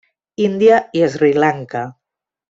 Índia i Sri Lanka.